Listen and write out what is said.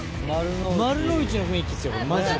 丸の内の雰囲気ですよマジで。